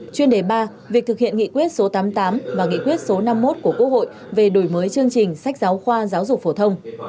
chuyên đề ba việc thực hiện nghị quyết số tám mươi tám và nghị quyết số năm mươi một của quốc hội về đổi mới chương trình sách giáo khoa giáo dục phổ thông